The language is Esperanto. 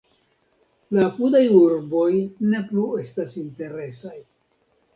La apudaj urboj ne plu estas interesaj.